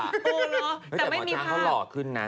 อ๋อเหรอแต่ไม่มีภาพแต่หมอช้างเขาหล่อขึ้นนะ